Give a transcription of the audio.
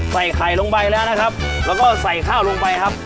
ใส่ไข่ลงไปแล้วนะครับแล้วก็ใส่ข้าวลงไปครับ